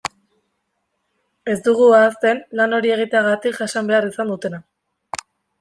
Ez dugu ahazten lan hori egiteagatik jasan behar izan dutena.